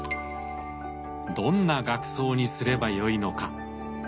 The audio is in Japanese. どんな額装にすればよいのか。